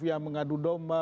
yang mengadu domba